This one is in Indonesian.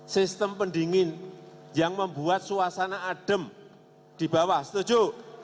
sistem pendingin yang membuat suasana adem di bawah setuju